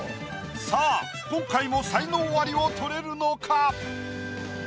さぁ今回も才能アリを取れるのか？